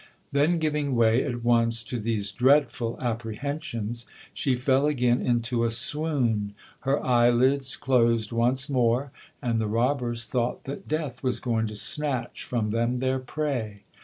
Then, giving way at once to these dreadful apprehensions, she fell again into a swoon, her eyelids closed once more, and the robbers thought that death was going to snatch from them their prey.